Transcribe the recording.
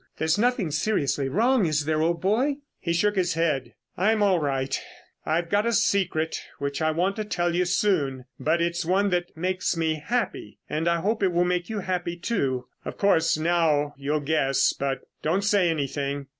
There's nothing seriously wrong, is there, old boy?" He shook his head. "I'm all right. I've a secret which I want to tell you soon, but it's one that makes me happy, and I hope it will make you happy, too.... Of course, now you'll guess, but don't say anything.